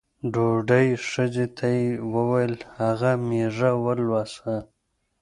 بوډۍ ښځې ته یې ووېل هغه مېږه ولوسه.